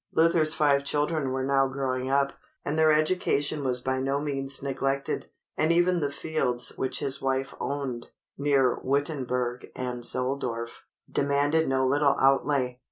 Luther's five children were now growing up, and their education was by no means neglected, and even the fields which his wife owned, near Wittenberg and Zoldorf, demanded no little outlay.